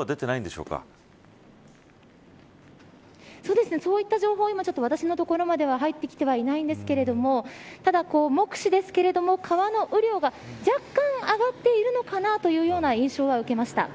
実際、土砂災害もしくは増水による被害等はそういった情報は今、私のところまでは入ってきてはいないんですけれどもただ、目視ですけれども川の雨量が若干上がっているのかなというような印象は受けました。